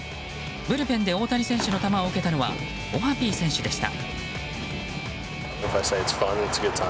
ブルペンで大谷選手の球を受けたのはオハピー選手でした。